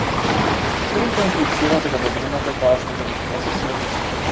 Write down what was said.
Сето тоа имплицира дека добрината е таа што ќе го спаси светот.